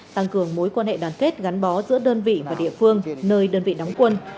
tăng cường mối quan hệ đoàn kết gắn bó giữa đơn vị và địa phương nơi đơn vị đóng quân